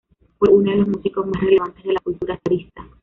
Fue uno de los músicos más relevantes de la cultura zarista.